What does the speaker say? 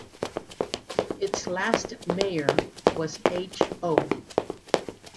Its last mayor was H. O.